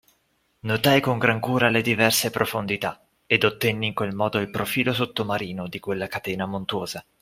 Notai con gran cura le diverse profondità, ed ottenni in quel modo il profilo sottomarino di quella catena montuosa.